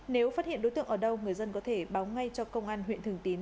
nếu phát hiện đối tượng ở đâu người dân có thể báo ngay cho công an huyện thường tín